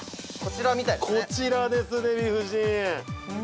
◆こちらです、デヴィ夫人。